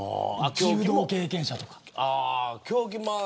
柔道経験者とか。